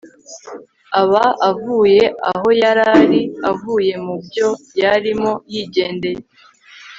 aba avuye aho yari ari, avuye mu byo yarimo, yigendeye